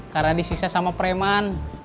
karena disiksa sama preman